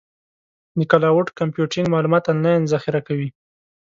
د کلاؤډ کمپیوټینګ معلومات آنلاین ذخیره کوي.